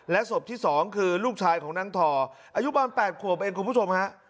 และศพที่สองคือลูกชายของนางธออายุบ้านแปดขวบเองคุณผู้ชมฮะ